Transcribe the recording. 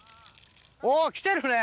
おっ来てるね。